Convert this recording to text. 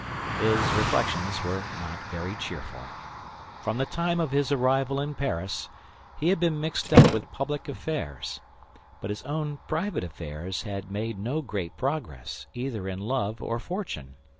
His reflections were not very cheerful. From the time of his arrival in Paris, he had been mixed up with public affairs; but his own private affairs had made no great progress, either in love or fortune.